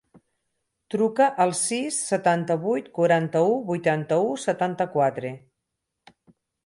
Truca al sis, setanta-vuit, quaranta-u, vuitanta-u, setanta-quatre.